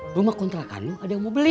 rumah kontrakan lo ada yang mau beli